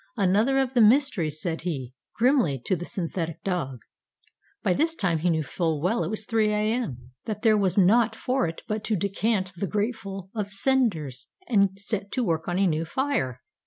Another of the mysteries, said he, grimly, to the synthetic dog. By this time he knew full well (it was 3 A.M.) that there was naught for it but to decant the grateful of cinders and set to work on a new fire.